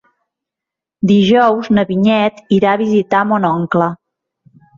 Dijous na Vinyet irà a visitar mon oncle.